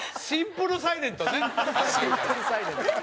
シンプルサイレント。